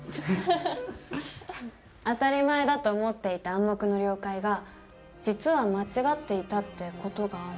当たり前だと思っていた「暗黙の了解」が実は間違っていたっていう事がある。